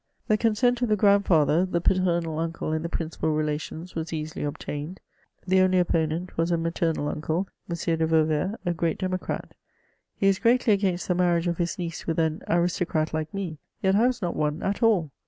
The consent of ihe grandfadier, the paternal uncle, and the principal relations, was easily obtained ; the only opponent was a maternal uncle, M. de Vauvert, a greeX democrat ; he was greatly against the marriage of his niece with an aristocrat like me^ yet I was not one at all.